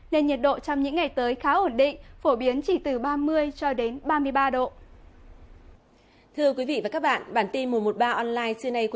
nên nhiệt độ trong những ngày tới khá ổn định